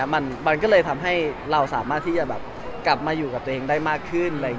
มันก็เลยทำให้เราสามารถที่จะกลับมาอยู่กับตัวเองได้มากขึ้น